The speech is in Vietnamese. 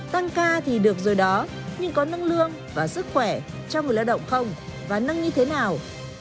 tăng ca thì được rồi đó nhưng có năng lương và sức khỏe cho người lao động không và nâng như thế nào